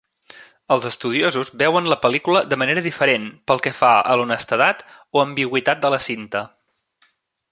Els estudiosos veuen la pel·lícula de manera diferent pel que fa a l'honestedat o ambigüitat de la cinta.